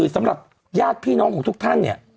สำหรับญาติพี่น้องของทุกท่านเนี่ย